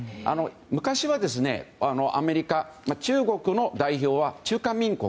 昔はアメリカ、中国の代表は中華民国